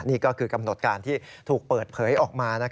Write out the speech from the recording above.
นี่ก็คือกำหนดการที่ถูกเปิดเผยออกมา